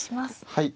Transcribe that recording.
はい。